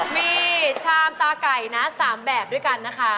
มีชามตาไก่นะ๓แบบด้วยกันนะคะ